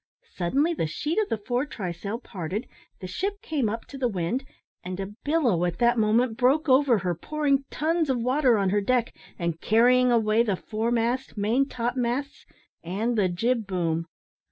Suddenly the sheet of the fore trysail parted, the ship came up to the wind, and a billow at that moment broke over her, pouring tons of water on her deck, and carrying away the foremast, main top masts, and the jib boom.